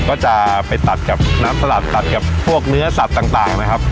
ก็จะไปตัดกับน้ำสลัดตัดกับพวกเนื้อสัตว์ต่างนะครับ